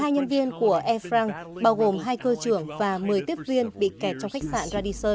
một mươi hai nhân viên của air france bao gồm hai cơ trưởng và một mươi tiếp viên bị kẹt trong khách sạn radisson